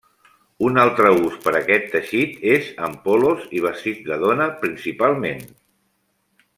Un altre ús per aquest teixit és en polos i vestits de dona, principalment.